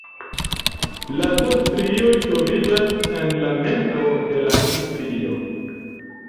La Z-strioj troviĝas en la mezo de la I-strio.